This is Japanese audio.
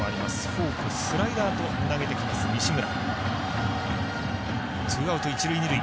フォーク、スライダーと投げてくる西村。